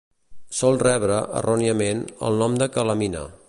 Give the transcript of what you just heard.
Sol rebre, erròniament, el nom de calamina.